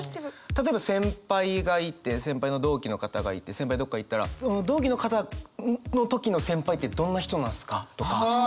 例えば先輩がいて先輩の同期の方がいて先輩がどっか行ったら同期の方の時の先輩ってどんな人なんすか？とか。